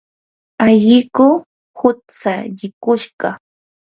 alliku hutsallikushqa.